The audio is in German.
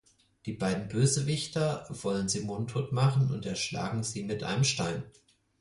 Die beiden Bösewichter wollen sie mundtot machen und erschlagen sie mit einem Stein.